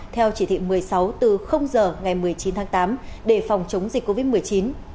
theo chỉ thị một mươi sáu từ giờ ngày một mươi chín tháng tám để phòng chống dịch covid một mươi chín